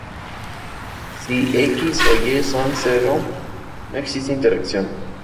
Si "x" o "y" son cero no existe interacción.